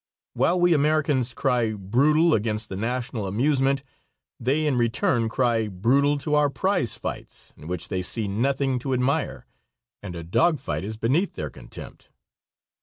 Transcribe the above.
While we Americans cry "brutal" against the national amusement, they in return cry "brutal" to our prize fights, in which they see nothing to admire, and a dog fight is beneath their contempt.